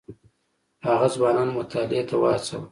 هغه ځوانان مطالعې ته وهڅول.